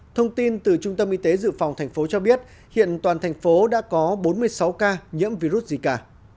thông tin từ trung tâm y tế dự phòng thành phố cho biết hiện toàn thành phố đã có bốn mươi sáu ca nhiễm virus zika